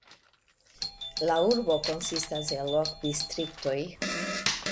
La urbo konsistas el ok distriktoj.